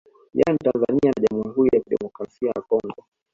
Yani Tanzania na Jamhuri ya Kidemokrasia ya Congo